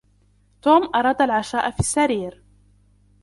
توم أراد العَشَاء في السرير.